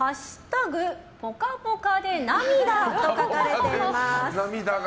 「＃ぽかぽかで涙」と書かれています。